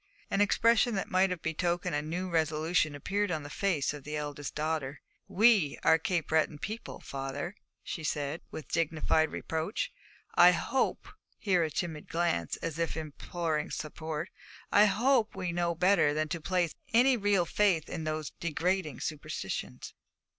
An expression that might have betokened a new resolution appeared upon the fine face of the eldest daughter. 'We are Cape Breton people, father,' she said, with dignified reproach. 'I hope' here a timid glance, as if imploring support 'I hope we know better than to place any real faith in these degrading superstitions.'